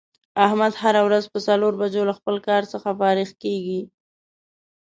احمد هره روځ په څلور بجو له خپل کار څخه فارغ کېږي.